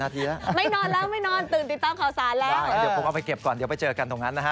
เดี๋ยวผมเอาไปเก็บก่อนเดี๋ยวไปเจอกันตรงนั้นนะฮะ